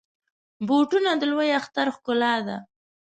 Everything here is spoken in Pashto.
بوټونه د لوی اختر ښکلا ده.